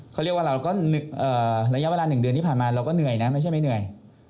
เขาเรียกว่าเราก็ระยะเวลา๑เดือนที่ผ่านมาเราก็เหนื่อยนะไม่ใช่ไม่เหนื่อย